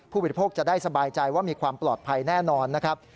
บริโภคจะได้สบายใจว่ามีความปลอดภัยแน่นอนนะครับ